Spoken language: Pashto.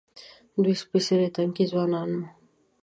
دوی سپېڅلي تنکي ځوانان وو.